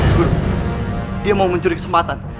jujur dia mau mencuri kesempatan